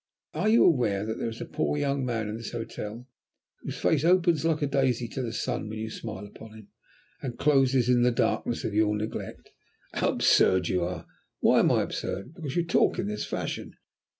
Are you aware that there is a poor young man in this hotel, whose face opens like a daisy to the sun when you smile upon him, and closes in the darkness of your neglect?" "How absurd you are!" "Why am I absurd?" "Because you talk in this fashion."